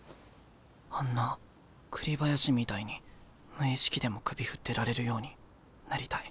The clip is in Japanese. あんな栗林みたいに無意識でも首振ってられるようになりたい。